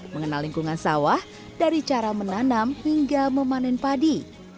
mengenal lingkungan sawah dari cara menanam hingga memanen padi